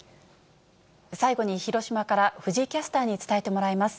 最後に、広島から藤井キャスターに伝えてもらいます。